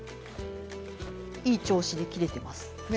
いい調子で切れてます。